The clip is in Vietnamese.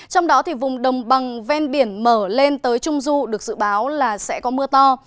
trong đó thì vùng đồng bằng ven biển mở lên tới trung du được dự báo là sẽ có mưa to